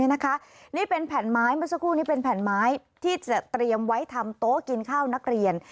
นี่เป็นแผ่นไม้เมื่อสักครู่นี้เป็นแผ่นไม้ที่จะเตรียมไว้ทำโต๊ะกินข้าวนักเรียน